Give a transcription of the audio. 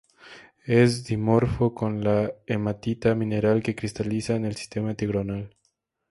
Es dimorfo con la hematita, mineral que cristaliza en el sistema trigonal.